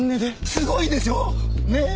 すごいでしょ？ね？